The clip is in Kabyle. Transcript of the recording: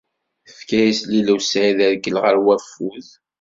Tefka-yas Lila u Saɛid arkel ɣer wafud.